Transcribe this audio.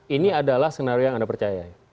ini adalah skenario yang anda percaya